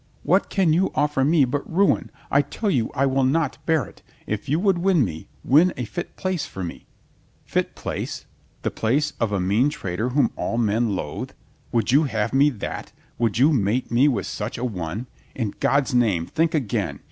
What can you offer me but ruin ? I tell you I will not bear it. If you would win me, win a fit place for me." "Fit place? The place of a mean traitor whom 2i8 COLONEL GREATHEART all men loathe. Would you have me that? Would you mate with such a one? In God's name, think again.